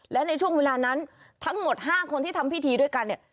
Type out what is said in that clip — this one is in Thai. และในช่วงเวลานั้นทั้งหมด๕คนที่ทำพิธีด้วยกันเนี่ย